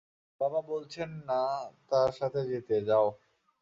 বাবা বলছে না তার সাথে যেতে, যাও।